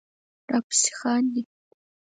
راپسې خاندې